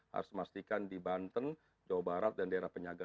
harus memastikan di banten jawa barat dan daerah penyangga